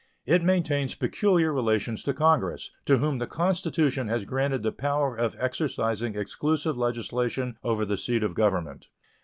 It maintains peculiar relations to Congress, to whom the Constitution has granted the power of exercising exclusive legislation over the seat of Government.